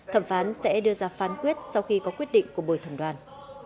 thẩm phán sẽ đưa ra phán quyết sau khi có quyết định của bồi thẩm đoàn